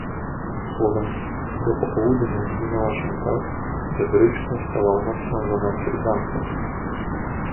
"Słowem, do popołudnia zwinęła się tak, że bryczka stała zaprzężona przed gankiem."